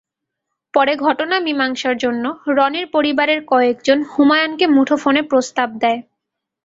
পরে ঘটনা মীমাংসার জন্য রনির পরিবারের কয়েকজন হুমায়ুনকে মুঠোফোনে প্রস্তাব দেয়।